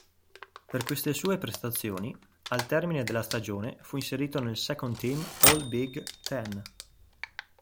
Per queste sue prestazioni al termine della stagione fu inserito nel Second-team All-Big Ten.